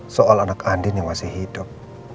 soal anak andin yang masih hidup